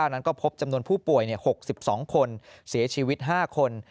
นั้นก็พบจำนวนผู้ป่วย๖๒คนเสียชีวิต๕คน